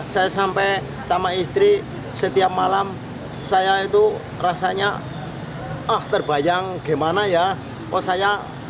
saya sampai sama istri setiap malam saya itu rasanya ah terbayang gimana ya oh saya